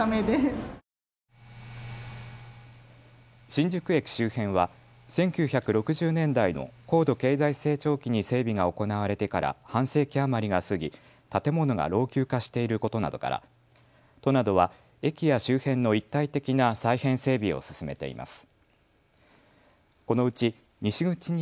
新宿駅周辺は１９６０年代の高度経済成長期に整備が行われてから半世紀余りが過ぎ建物が老朽化していることなどから都などは駅や周辺の一体的な再編整備を進めています。